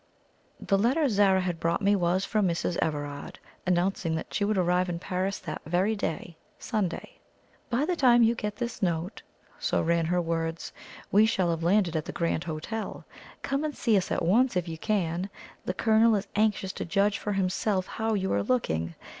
The letter Zara had brought me was from Mrs. Everard, announcing that she would arrive in Paris that very day, Sunday. "By the time you get this note," so ran her words, "we shall have landed at the Grand Hotel. Come and see us at once, if you can. The Colonel is anxious to judge for himself how you are looking.